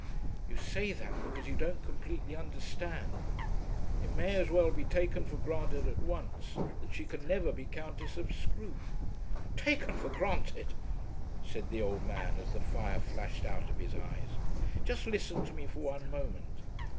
"You say that because you don't completely understand. It may as well be taken for granted at once that she can never be Countess of Scroope." "Taken for granted!" said the old man as the fire flashed out of his eyes. "Just listen to me for one moment.